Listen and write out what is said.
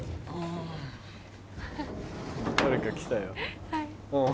誰か来たよ。